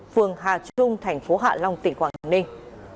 phường hà trung thành phố hạ long tỉnh quảng ninh